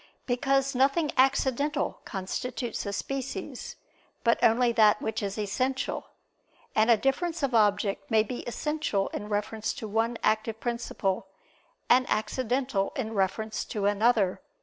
Because nothing accidental constitutes a species, but only that which is essential; and a difference of object may be essential in reference to one active principle, and accidental in reference to another.